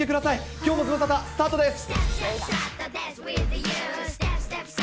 きょうもズムサタ、スタートです。